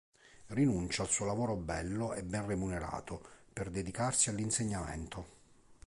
Rinuncia al suo lavoro bello e ben remunerato per dedicarsi all'insegnamento.